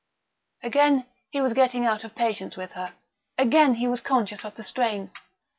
Again he was getting out of patience with her; again he was conscious of the strain.